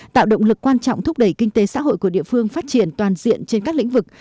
tạo động lực quan trọng thúc đẩy kinh tế xã hội của địa phương phát triển toàn diện trên các lĩnh vực